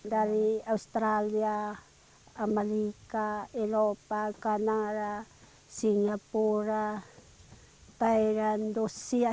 dari australia amerika eropa kanada singapura thailand rusia